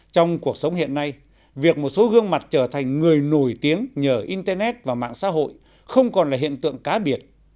trong cuộc sống hiện nay việc một số gương mặt trở thành người nổi tiếng nhờ internet và mạng xã hội không còn là hiện tượng cá biệt